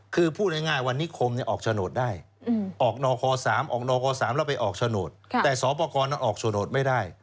คือพูดง่ายว่านิคมเนี่ย